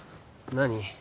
何？